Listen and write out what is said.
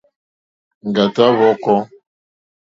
Ŋɡàtá hwɔ̄kɔ̄.